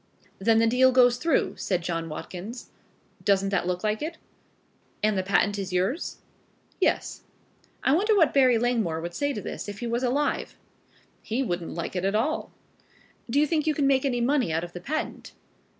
"Then the deal goes through," said John Watkins. "Doesn't that look like it?" "And the patent is yours?" "Yes." "I wonder what Barry Langmore would say to this, if he was alive?" "He wouldn't like it at all." "Do you think you can make any money out of the patent?"